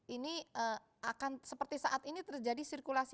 ini akan seperti saat ini terjadi sirkulasi